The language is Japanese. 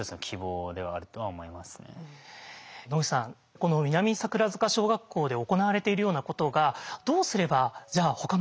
野口さんこの南桜塚小学校で行われているようなことがどうすればじゃあほかの学校に広がっていくのか。